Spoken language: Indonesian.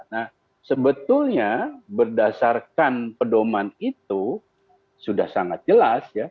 nah sebetulnya berdasarkan pedoman itu sudah sangat jelas ya